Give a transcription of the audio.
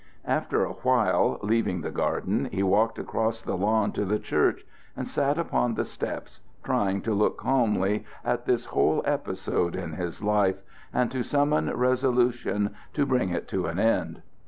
After awhile, leaving the garden, he walked across the lawn to the church and sat upon the steps, trying to look calmly at this whole episode in his life, and to summon resolution to bring it to an end.